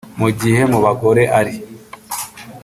mu gihe mu bagore ari